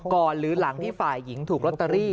หรือหลังที่ฝ่ายหญิงถูกลอตเตอรี่